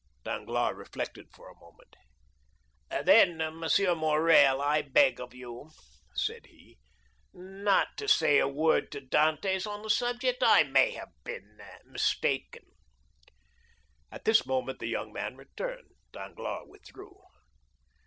Danglars reflected for a moment. "Then, M. Morrel, I beg of you," said he, "not to say a word to Dantès on the subject. I may have been mistaken." At this moment the young man returned; Danglars withdrew.